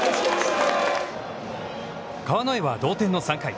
川之江は同点の３回。